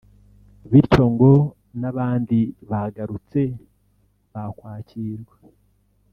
bityo ngo n’abandi bagarutse bakwakirwa